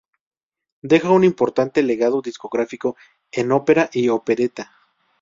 Deja un importante legado discográfico en ópera y opereta.